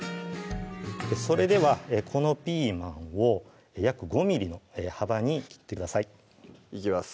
それではこのピーマンを約５ｍｍの幅に切ってくださいいきます